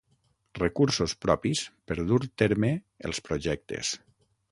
Recursos propis per dur terme els projectes.